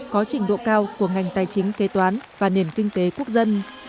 có trình độ cao của ngành tài chính kế toán và nền kinh tế quốc dân